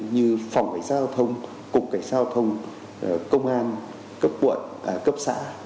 như phòng cảnh giao thông cục cảnh sát giao thông công an cấp quận cấp xã